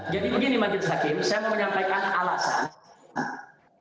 jadi begini majelis hakim saya mau menyampaikan alasan